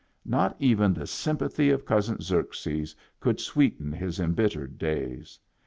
Not even the sympathy of Cousin Xerxes could sweeten his embittered days.